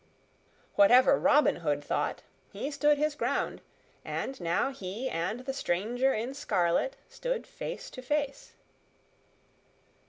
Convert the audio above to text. Whatever Robin Hood thought, he stood his ground, and now he and the stranger in scarlet stood face to face.